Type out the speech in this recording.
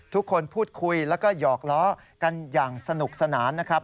ทุกคนพูดคุยแล้วก็หยอกล้อกันอย่างสนุกสนานนะครับ